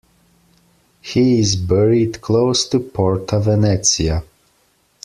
He is buried close to Porta Venezia.